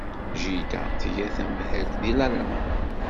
Jida tga tamhelt deg Lalman.